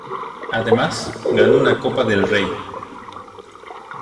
Además ganó una Copa del Rey.